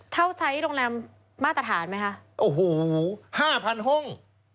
เท่าไซค์โรงแรมมาตรฐานไหมฮะโอ้โห๕๐๐๐ห้ง